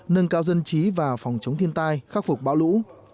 nâng cao dân trí và phòng chống thiên tai khắc phục bão lũ